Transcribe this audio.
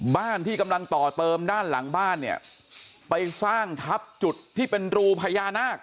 บ้านที่กำลังต่อเติมด้านหลังบ้านเนี่ยไปสร้างทับจุดที่เป็นรูพญานาค